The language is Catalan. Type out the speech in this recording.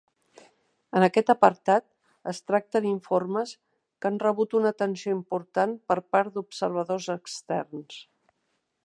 En aquest apartat es tracten informes que han rebut una atenció important per part d'observadors externs.